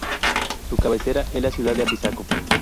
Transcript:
Su cabecera es la ciudad de Apizaco.